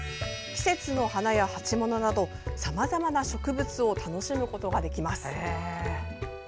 季節の花や鉢物などさまざまな植物を楽しむことができます。